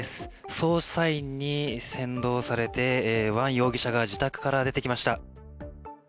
捜査員に先導されてワン容疑者が自宅から出てきました。